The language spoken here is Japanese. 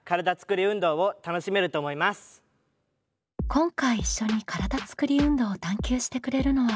今回一緒に体つくり運動を探究してくれるのは。